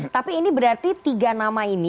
tapi ini berarti tiga nama ini yang teratakan